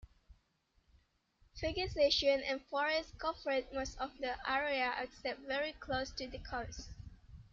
Vegetation and forests covered most of the area except very close to the coast.